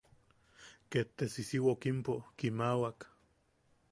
Ket te sisiwookimpo kiimawak.